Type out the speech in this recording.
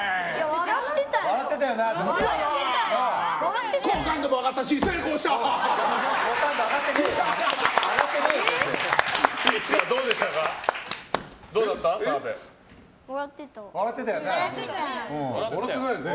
笑ってないよね。